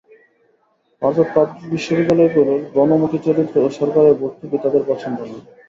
অর্থাৎ পাবলিক বিশ্ববিদ্যালয়গুলোর গণমুখী চরিত্র ও সরকারের ভর্তুকি তাঁদের পছন্দ নয়।